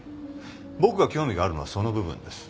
僕が興味があるのはその部分です。